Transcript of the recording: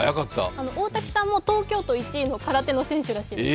大滝さんの東京都１位の空手選手だそうです。